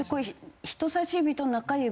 人さし指と中指を？